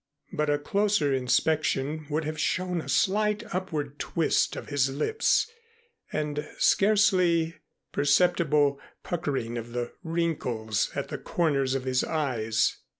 But a closer inspection would have shown a slight upward twist of his lips and scarcely perceptible puckering of the wrinkles at the corners of his eyes.